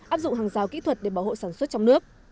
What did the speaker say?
áp dụng hàng rào kỹ thuật để bảo hộ sản xuất trong nước